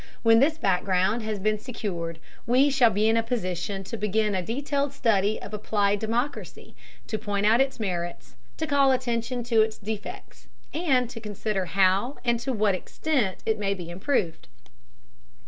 When this background has been secured we shall be in a position to begin a detailed study of applied democracy, to point out its merits, to call attention to its defects, and to consider how and to what extent it may be improved.